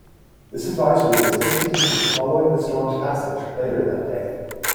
This advisory was discontinued following the storms' passage later that day.